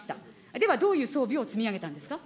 ではどういう装備を積み上げたんですか。